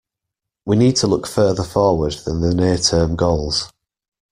We need to look further forward than the near-term goals